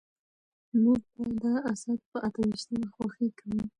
موږ به د اسد په اته ويشتمه خوښي کوو.